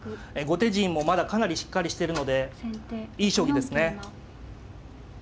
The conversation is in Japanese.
後手陣もまだかなりしっかりしてるのでいい将棋ですね。